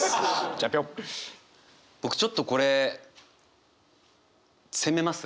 僕ちょっとこれ攻めます。